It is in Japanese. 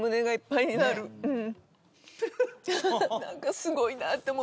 なんかすごいなって。